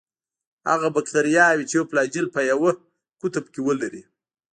هغه باکتریاوې چې یو فلاجیل په یوه قطب کې ولري.